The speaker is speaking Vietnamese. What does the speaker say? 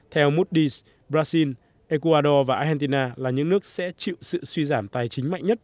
theo moody s brazil ecuador và argentina là những nước sẽ chịu sự suy giảm tài chính mạnh nhất